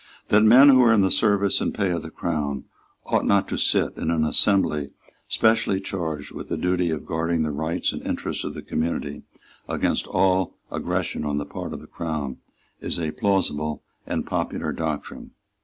That men who are in the service and pay of the Crown ought not to sit in an assembly specially charged with the duty of guarding the rights and interests of the community against all aggression on the part of the Crown is a plausible and a popular doctrine.